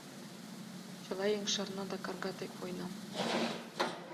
Чыла еҥ шарна да карга тек войнам.